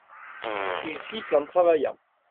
il siffle en travaillant.